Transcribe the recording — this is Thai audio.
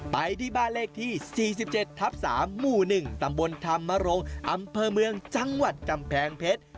ไปที่บ้านเลขที่๔๗ทับ๓หมู่๑ตำบลธรรมรงค์อำเภอเมืองจังหวัดกำแพงเพชร